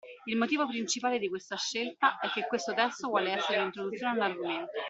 Il motivo principale di questa scelta è che questo testo vuole essere un’introduzione all’argomento.